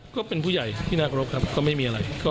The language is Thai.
ก็เป็นผู้ใหญ่ที่น่ารบครับก็ไม่มีอะไร